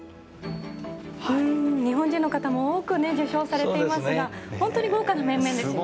日本人の方も多く受賞されていますが本当に豪華な面々ですよね。